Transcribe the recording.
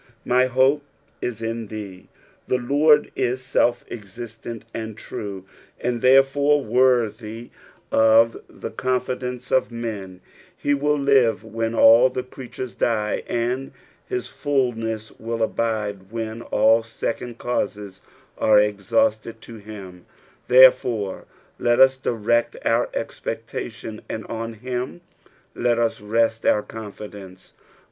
^' ify hope in in t/iee." The Lord is aelf esislent and true, and therefore worthy of the con Sdeuce of men ; be will live when all the creatures die, and his fuluess will abide when all secoDd causes arc exhausted ; to him, therefore, let us direct our cxpectitian, and on him let ua rest our coufidcnce.